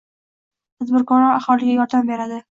Tadbirkorlar aholiga yordam beradi